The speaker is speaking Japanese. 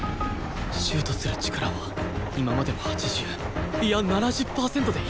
シュートする力は今までの８０いや７０パーセントでいい